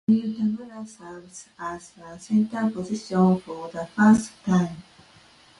Mayu Tamura served as the center position for the first time.